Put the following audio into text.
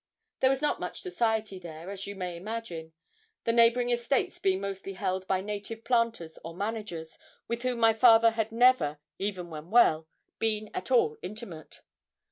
There was not much society there, as you may imagine, the neighbouring estates being mostly held by native planters or managers, with whom my father had never, even when well, been at all intimate.